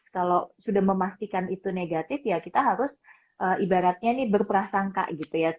kalau sudah memastikan itu negatif ya kita harus ibaratnya ini berprasangka gitu ya